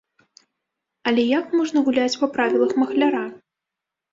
Але як можна гуляць па правілах махляра?